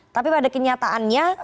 tapi pada kenyataannya